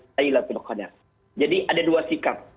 jadi ada dua sikap